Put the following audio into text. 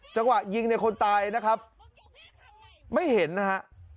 จังหวะยิงเนี่ยคนตายนะครับไม่เห็นนะฮะ